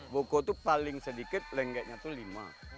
buku tuh paling sedikit lengeknya tuh lima